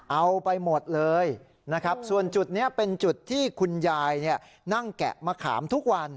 เอาไปหมดเลยนะครับส่วนจุดนี้เป็นจุดที่คุณยายนั่งแกะมะขามทุกวัน